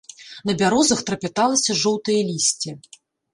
На бярозах трапяталася жоўтае лісце.